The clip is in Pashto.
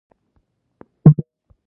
عقل په دې مقام کې یو څه درک کوي.